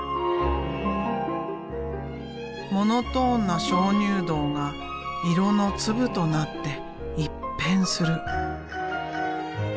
モノトーンな鍾乳洞が色の粒となって一変する。